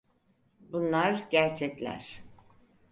Bunlar gerçekler.